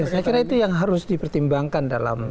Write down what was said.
saya kira itu yang harus dipertimbangkan dalam